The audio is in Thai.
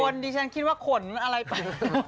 ดิฉันคิดว่าขนอะไรไป